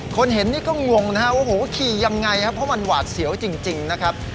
คนเห็นนี่ก็งงนะฮะโอ้โหขี่ยังไงครับเพราะมันหวาดเสียวจริงนะครับ